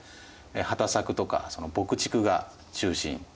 畑作とか牧畜が中心です。